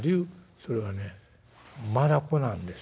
「それはねマダコなんです